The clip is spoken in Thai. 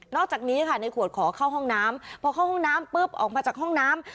อกจากนี้ค่ะในขวดขอเข้าห้องน้ำพอเข้าห้องน้ำปุ๊บออกมาจากห้องน้ำ